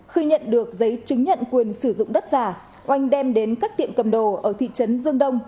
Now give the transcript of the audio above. khi nhận được giấy chứng nhận quyền sử dụng đất giả oanh đem đến các tiệm cầm đồ ở thị trấn dương đông